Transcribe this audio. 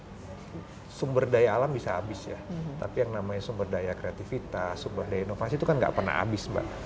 karena sumber daya alam bisa habis ya tapi yang namanya sumber daya kreativitas sumber daya inovasi itu kan nggak pernah habis mbak